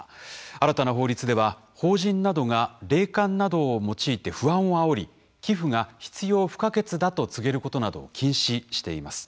新たな法律では法人などが霊感などを用いて不安をあおり寄付が必要不可欠だと告げることなどを禁止しています。